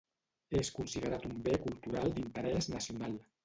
És considerat un Bé Cultural d'Interès Nacional.